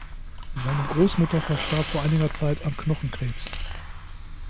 Seine Großmutter verstarb vor einiger Zeit an Knochenkrebs.